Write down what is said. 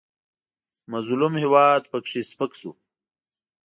مظلوم هېواد پکې سپک شو.